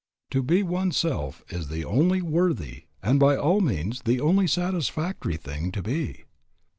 To be one's self is the only worthy, and by all means the only satisfactory, thing to be.